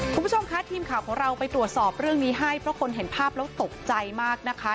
คุณผู้ชมคะทีมข่าวของเราไปตรวจสอบเรื่องนี้ให้เพราะคนเห็นภาพแล้วตกใจมากนะคะ